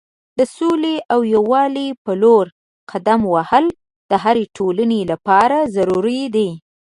د سولې او یووالي په لور قدم وهل د هرې ټولنې لپاره ضروری دی.